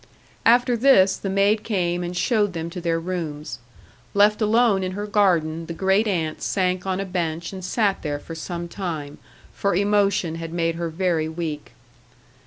After this the maid came and showed them to their rooms. Left alone in her garden, the great aunt sank on a bench and sat there for some time; for emotion had made her very weak.